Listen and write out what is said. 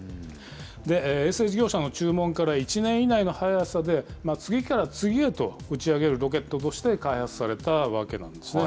衛星事業者の注文から１年以内の早さで、次から次へと打ち上げるロケットとして開発されたわけなんですね。